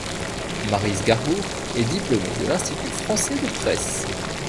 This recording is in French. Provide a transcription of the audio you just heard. Maryse Gargour est diplômée de l'Institut français de Presse.